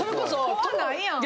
怖ないやん！